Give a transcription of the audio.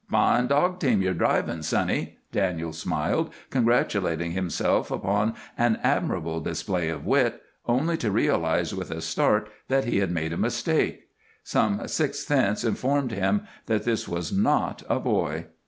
"Fine dog team you're driving, sonny!" Daniels smiled, congratulating himself upon an admirable display of wit, only to realize with a start that he had made a mistake. Some sixth sense informed him that this was not a boy.